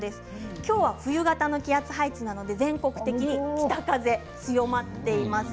今日は冬型の気圧配置なので全国的に北風、強まっています。